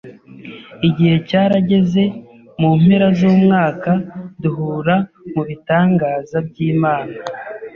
Igihe cyarageze mu mpera z’umwaka duhura mu bitangaza by’Imana